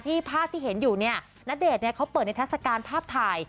ที่ภาพที่เห็นอยู่ณเดชน์เขาเปิดในทัศกาลภาพถ่าย